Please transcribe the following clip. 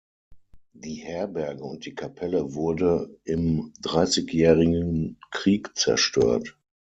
Die Herberge und die Kapelle wurde im Dreißigjährigen Krieg zerstört.